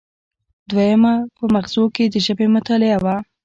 دویمه په مغزو کې د ژبې مطالعه وه